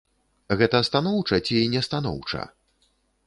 Гэта станоўча ці не станоўча?